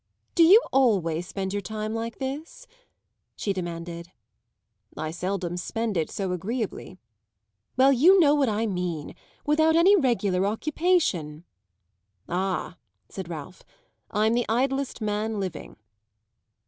"Do you always spend your time like this?" she demanded. "I seldom spend it so agreeably." "Well, you know what I mean without any regular occupation." "Ah," said Ralph, "I'm the idlest man living."